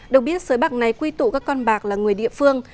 được biết sới bạc này quy tụ các con bạc là người địa phương